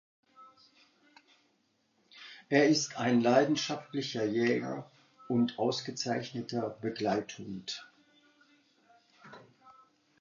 Er ist ein leidenschaftlicher Jäger und ausgezeichneter Begleithund.